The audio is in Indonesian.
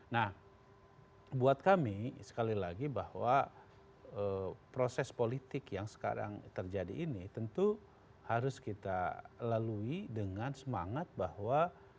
nah buat kami sekali lagi bahwa proses politik yang sekarang terjadi ini tentu harus kita lalui dengan semangat bahwa